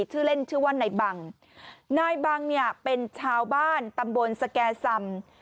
ชื่อเล่นชื่อว่านายบังนายบังเนี่ยเป็นชาวบ้านตำบลสแก่สำ